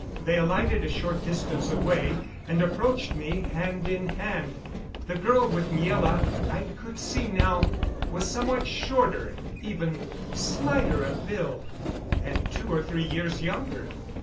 They alighted a short distance away, and approached me, hand in hand. The girl with Miela, I could see now, was somewhat shorter, even slighter of build, and two or three years younger.